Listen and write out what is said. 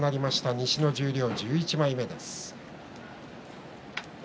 西の十両１１枚目です。